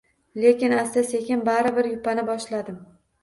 Lekin, asta-sekin bari bir yupana boshladim.